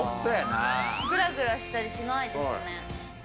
ぐらぐらしたりしないですね。